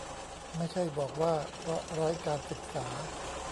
ไม่ใช่บอกว่า เพราะไร้การศึกษา